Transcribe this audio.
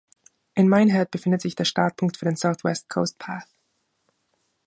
In Minehead befindet sich der Startpunkt für den South West Coast Path.